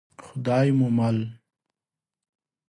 خدای مو مل.